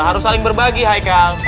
harus saling berbagi heikal